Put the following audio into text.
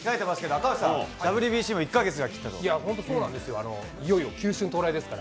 赤星さん、ＷＢＣも１か月を切ったと。